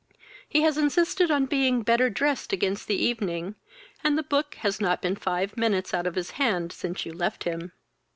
He has insisted on being better dressed against the evening, and the book has not been five minutes out of his hand since you left him."